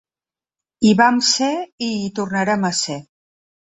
Hi vam ser i hi tornarem a ser!